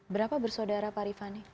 berapa bersaudara pak rifani